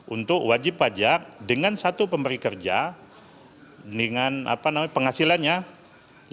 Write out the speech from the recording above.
untuk wajib pajak dengan satu pemberi kerja dengan penghasilannya lebih